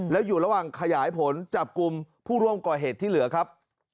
แล้วอยู่ระหว่างขยายผลจับกลุ่มผู้ร่วมก่อเหตุที่เหลือครับ